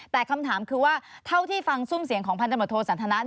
แต่คำถามคือว่าเท่าที่ฟังซุ่มเสียงของพันธบทโทสันทนา